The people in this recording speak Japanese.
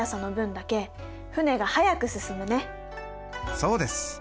そうです。